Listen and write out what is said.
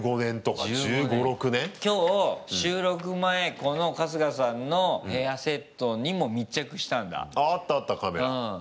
今日、収録前この春日さんのヘアセットにも密着したんだ。